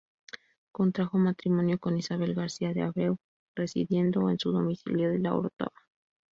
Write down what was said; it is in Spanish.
Contrajo matrimonio con Isabel García de Abreu, residiendo en su domicilio de La Orotava.